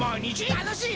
たのしい